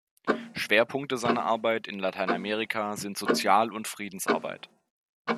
Schwerpunkte seiner Arbeit in Lateinamerika sind Sozial- und Friedensarbeit.